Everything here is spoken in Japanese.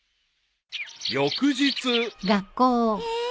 ［翌日］へえ